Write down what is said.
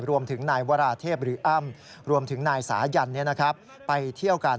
รวมถึงนายวราเทพหรืออ้ำรวมถึงนายสายันไปเที่ยวกัน